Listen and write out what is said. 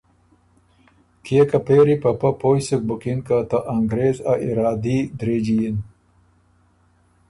کيې که پېري په پۀ پویٛ سُک بُکِن که ته انګرېز ا ارادي درېجی یِن